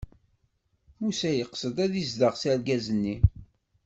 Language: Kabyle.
Musa yeqsed ad izdeɣ s argaz-nni.